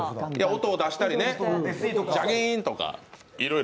音を出したり、ジャキーンとかいろいろ。